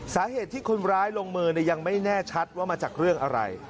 สาเหตุที่คนร้ายลงมือยังไม่แน่ชัดว่ามาจากเรื่องอะไร